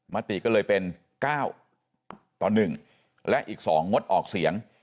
มติก็เลยเป็น๙ต่อ๑และอีก๒งดออกเสียง